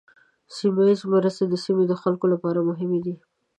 سیمه ایزه مرستې د سیمې د خلکو لپاره مهمې دي.